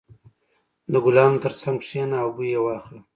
• د ګلانو تر څنګ کښېنه او بوی یې واخله.